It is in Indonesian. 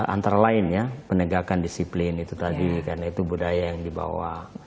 antara lain ya penegakan disiplin itu tadi karena itu budaya yang dibawa